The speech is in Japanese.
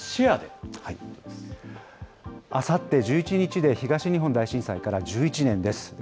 あさって１１日で東日本大震災から１１年です。